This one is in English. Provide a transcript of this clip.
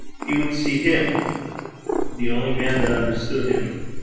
He would see him the only man that understood him!